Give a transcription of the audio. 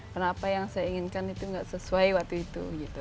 karena apa yang saya inginkan itu nggak sesuai waktu itu